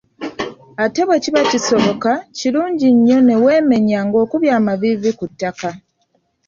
Ate bwe kiba kisoboka, kirungi nnyo ne weemenya ng'okubye amaviivi ku ttaka.